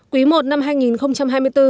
quý một năm hai nghìn hai mươi bốn